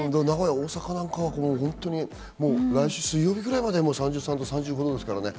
大阪なんかは来週水曜日ぐらいまで３３度、３４度とかですからね。